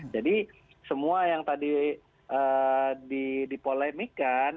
jadi semua yang tadi dipolemikan